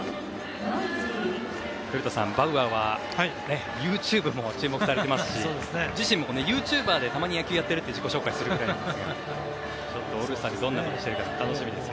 古田さん、バウアーはＹｏｕｔｕｂｅも注目されていますし自身もユーチューバーでたまに野球をやっていると紹介するそうですがオールスターでどんなことをするか楽しみです。